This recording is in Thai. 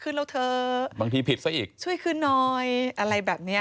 เราเถอะบางทีผิดซะอีกช่วยคืนหน่อยอะไรแบบเนี้ย